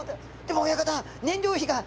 「でも親方燃料費が！」